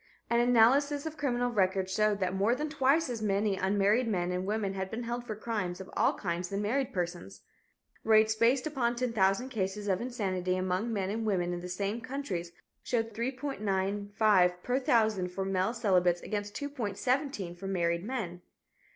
An analysis of criminal records showed that more than twice as many unmarried men and women had been held for crimes of all kinds than married persons. Rates based upon 10,000 cases of insanity among men and women in the same countries showed 3.95 per thousand for male celibates against 2.17 for married men.